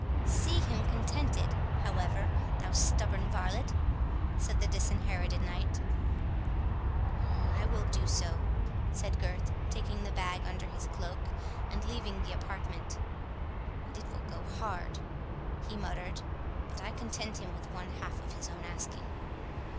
"See him contented, however, thou stubborn varlet," said the Disinherited Knight. "I will do so," said Gurth, taking the bag under his cloak, and leaving the apartment; "and it will go hard," he muttered, "but I content him with one half of his own asking."